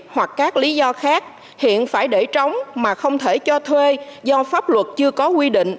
hoặc các lý do khác hiện phải để trống mà không thể cho thuê do pháp luật chưa có quy định